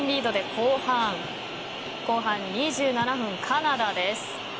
後半２７分、カナダです。